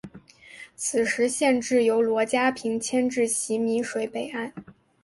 此时县治由罗家坪迁至洣水北岸。